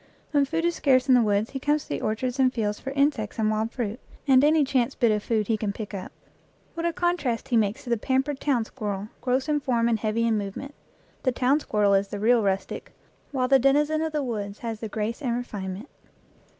When food is scarce in the woods he comes to the orchards and fields for insects and wild fruit, and any chance bit of food he can pick up. What a contrast he makes to the pampered town squirrel, gross in form and heavy in movement! The town squirrel is the real rustic, while the denizen of the woods has the grace and 53 EACH AFTER ITS KIND refinement.